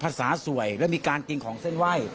สวยและมีการกินของเส้นไหว้